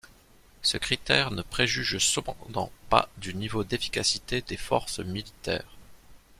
Ce critère ne préjuge cependant pas du niveau d'efficacité des forces militaires.